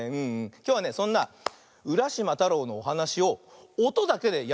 きょうはねそんな「うらしまたろう」のおはなしをおとだけでやってみるよ。